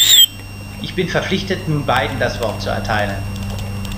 Ich bin verpflichtet, nun beiden das Wort zu erteilen.